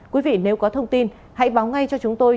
quý vị nếu có thông tin hãy báo ngay cho chúng tôi